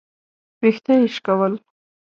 ويښته يې شکول.